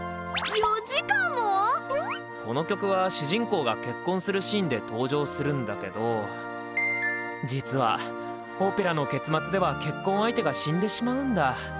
この曲は主人公が結婚するシーンで登場するんだけど実はオペラの結末では結婚相手が死んでしまうんだ。